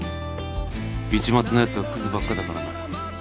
市松のやつはクズばっかだからな。